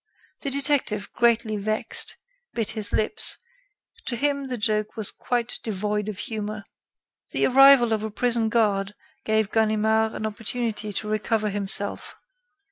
The detective, greatly vexed, bit his lips; to him the joke was quite devoid of humor. The arrival of a prison guard gave Ganimard an opportunity to recover himself.